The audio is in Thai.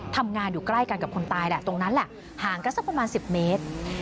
ทำงานอยู่ใกล้กันกับคนตายแหละตรงนั้นแหละห่างกันสักประมาณ๑๐เมตร